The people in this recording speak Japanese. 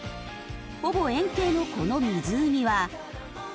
ほぼ円形のこの湖は。